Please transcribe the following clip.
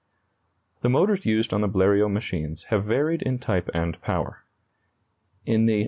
] The motors used on the Bleriot machines have varied in type and power. In the "No.